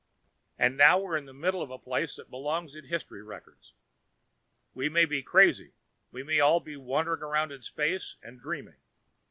And now we're in the middle of a place that belongs in history records. We may be crazy; we may all be wandering around in space and dreaming."